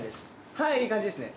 はいいい感じですね。